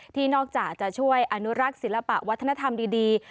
ที่นอกจากจะช่วยอนุรักษ์ศิลปะวัฒนธรรมดี